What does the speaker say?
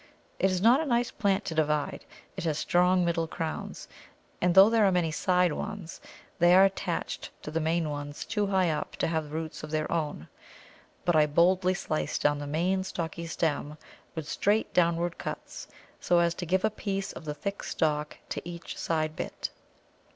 It is not a nice plant to divide; it has strong middle crowns, and though there are many side ones, they are attached to the main ones too high up to have roots of their own; but I boldly slice down the main stocky stem with straight downward cuts, so as to give a piece of the thick stock to each side bit.